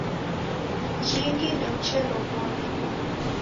Jingi ndeuchelow'olwa!